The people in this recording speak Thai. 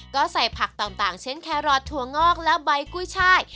ก็ใส่ผักต่างเช่นแครอทถั่วงอกและใบกุ้ยช่าย